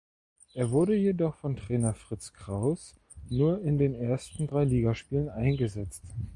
Er wurde jedoch von Trainer Fritz Krauß nur in den ersten drei Ligaspielen eingesetzt.